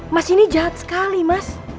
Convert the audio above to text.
mas ini jahat sekali mas